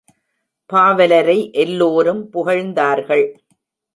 பாவலரை எல்லோரும் புகழ்ந்தார்கள்.